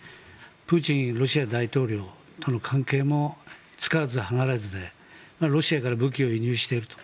プーチンロシア大統領との関係もつかず離れずでロシアから武器を輸入していると。